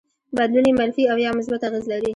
بدلون يې منفي او يا مثبت اغېز لري.